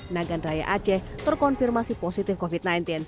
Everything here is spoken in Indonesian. nagan raya aceh terkonfirmasi positif covid sembilan belas